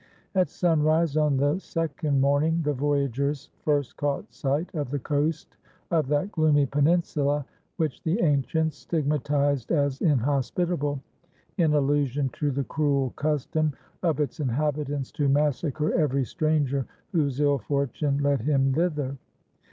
At sunrise on the second morning, the voyagers first caught sight of the coast of that gloomy peninsula which the ancients stigmatized as inhospitable, in allusion to the cruel custom of its inhabitants to massacre every stranger whose ill fortune led him thither.